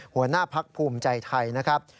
หัวหน้าพักภูมิใจไทยนะครับ